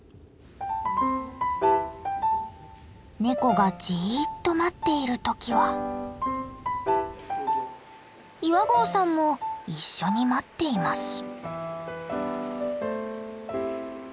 ネコがじっと待っている時は岩合さんも一緒に待っています。